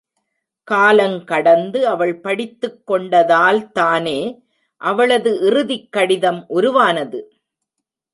காலங்கடந்து அவள் படித்துக் கொண்டதால்தானே, அவளது இறுதிக் கடிதம் உருவானது?